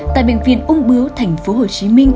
tại bệnh viện úng bướu tp hcm